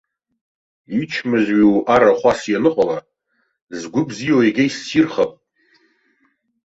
Ичмазаҩу арахә ас ианыҟала, згәы бзиоу егьа иссирхап!